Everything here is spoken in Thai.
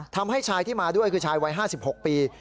ทำให้ชายที่มาด้วยคือชายวัย๕๖ปี